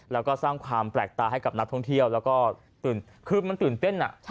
แล้วก็สร้างความแปลกตาให้กับนักท่องเที่ยวแล้วก็คือมันตื่นเต้น